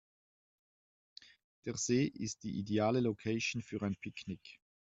Der See ist die ideale Location für ein Picknick.